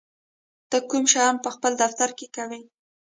ته کوم شیان په خپل دفتر کې کوې؟